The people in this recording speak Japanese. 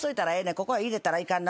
ここは入れたらいかんな。